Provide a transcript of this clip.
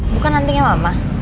bukan antingnya mama